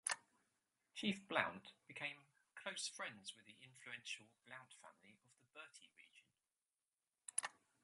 Chief Blount became close friends with the influential Blount family of the Bertie region.